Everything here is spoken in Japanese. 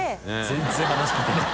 全然話聞いてない。